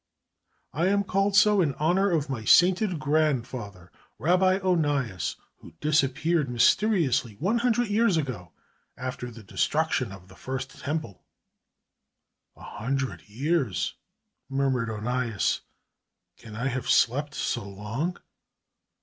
"I am called so in honor of my sainted grandfather, Rabbi Onias, who disappeared mysteriously one hundred years ago, after the destruction of the First Temple." "A hundred years," murmured Onias. "Can I have slept so long?"